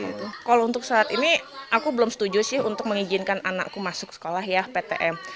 nah itu ya untuk saat ini aku belum setuju sih untuk mengijinkan anakku masuk sekolah ptm